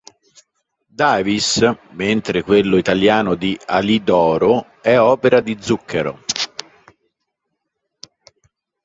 Davis, mentre quello italiano di "Ali d'oro" è opera di Zucchero.